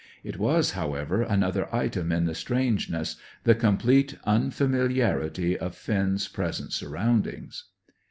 It was, however, another item in the strangeness, the complete unfamiliarity of Finn's present surroundings.